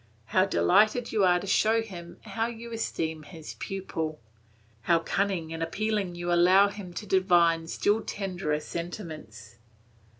How delighted you are to show him how you esteem his pupil! How cunningly and appealingly you allow him to divine still tenderer sentiments.